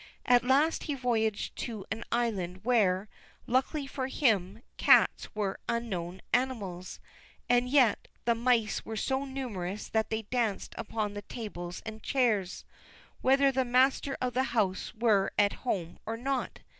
At last he voyaged to an island where, luckily for him, cats were unknown animals; and yet, the mice were so numerous that they danced upon the tables and chairs, whether the master of the house were at home or not.